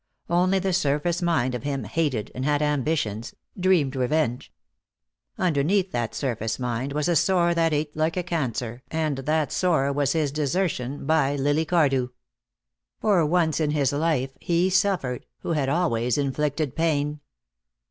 Only the surface mind of him hated, and had ambitions, dreamed revenge. Underneath that surface mind was a sore that ate like a cancer, and that sore was his desertion by Lily Cardew. For once in his life he suffered, who had always inflicted pain.